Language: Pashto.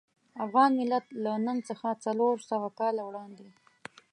افغان ملت له نن څخه څلور سوه کاله وړاندې.